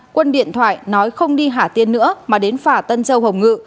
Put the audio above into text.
quân điện thoại nói không đi hà tiên nữa mà đến phả tân châu hồng ngự